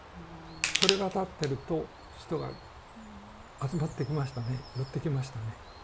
それが立ってると人が集まってきましたね寄ってきましたね。